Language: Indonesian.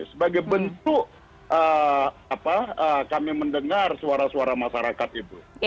sebagai bentuk kami mendengar suara suara masyarakat itu